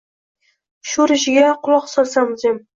Sho’rishiga quloq solsam jim…